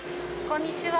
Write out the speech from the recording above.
こんにちは。